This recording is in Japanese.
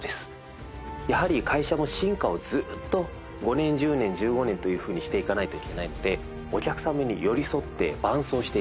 やはり会社も進化をずっと５年１０年１５年というふうにしていかないといけないのでお客様に寄り添って伴走していく